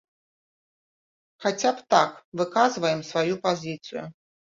Хаця б так выказваем сваю пазіцыю.